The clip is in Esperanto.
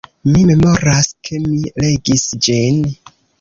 Mi memoras, ke mi legis ĝin.